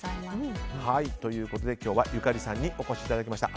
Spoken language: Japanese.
今日はゆかりさんにお越しいただきました。